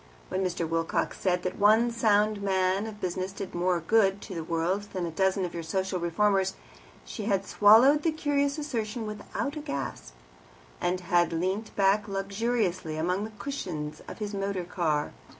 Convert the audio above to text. When Mr. Wilcox said that one sound man of business did more good to the world than a dozen of your social reformers, she had swallowed the curious assertion without a gasp, and had leant back luxuriously among the cushions of his motor car.